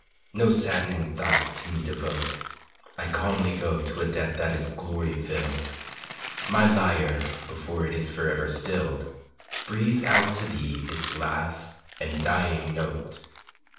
No saddening thought to me devote; I calmly go to a death that is glory filled, My lyre before it is forever stilled Breathes out to thee its last and dying note.